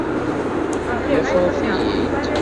Ḍefret-iyi-d!